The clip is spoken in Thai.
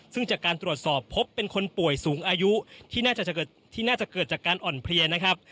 ซึ่งจากการตรวจสอบพบเป็นคนป่วยสูงอายุที่น่าจะเกิดจากการอ่อนเพลียนะครับ